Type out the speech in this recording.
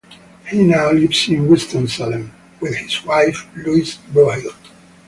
He now lives in Winston-Salem with his wife, Louise Broyhill.